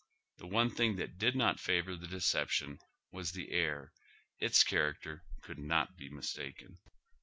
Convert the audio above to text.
The one thing that did not favor the deception was the air ; its character couid not be mistaken.